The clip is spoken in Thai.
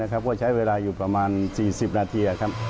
ก็ใช้เวลาอยู่ประมาณ๔๐นาทีครับ